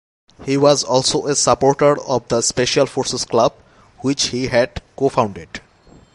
He was also a supporter of the Special Forces Club, which he had co-founded.